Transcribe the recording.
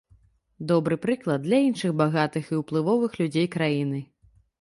Добры прыклад для іншых багатых і ўплывовых людзей краіны.